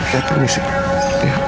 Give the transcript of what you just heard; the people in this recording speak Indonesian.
saya terisik ya